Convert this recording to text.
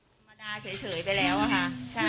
ธรรมดาเฉยไปแล้วอะค่ะ